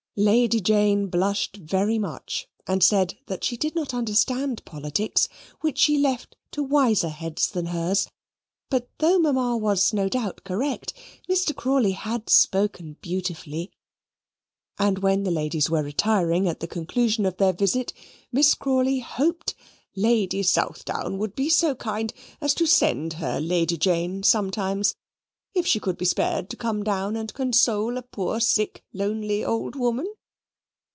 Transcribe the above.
Lady Jane blushed very much, and said "that she did not understand politics, which she left to wiser heads than hers; but though Mamma was, no doubt, correct, Mr. Crawley had spoken beautifully." And when the ladies were retiring at the conclusion of their visit, Miss Crawley hoped "Lady Southdown would be so kind as to send her Lady Jane sometimes, if she could be spared to come down and console a poor sick lonely old woman."